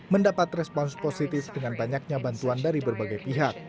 mendapat respons positif dengan banyaknya bantuan dari berbagai pihak